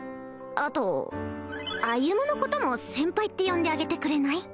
あと歩のことも先輩って呼んであげてくれない？